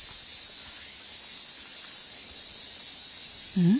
うん？